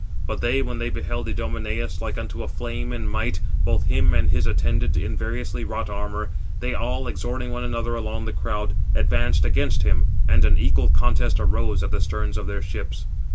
But they, when they beheld Idomeneus, like unto a flame in might, both him and his attendant, in variously wrought armour, they all, exhorting one another along the crowd, advanced against him, and an equal contest arose at the sterns of their ships.